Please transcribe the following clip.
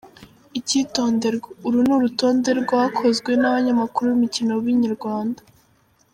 Icyitonderwa: Uru ni urutonde rwakozwe n’abanyamakuru b’imikino ba Inyarwanda.